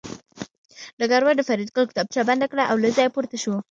ډګروال د فریدګل کتابچه بنده کړه او له ځایه پورته شو